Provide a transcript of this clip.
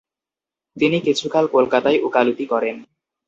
তিনি কিছুকাল কলকাতায় উকালতি করেন।